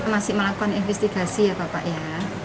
masih melakukan investigasi ya bapak ya